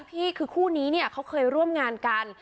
พี่คือคู่นี้เนี่ยเขาเคยร่วมงานกัน